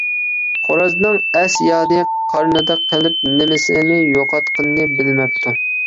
خورازنىڭ ئەس-يادى قارنىدا قېلىپ، نېمىسىنى يوقاتقىنىنى بىلمەپتۇ.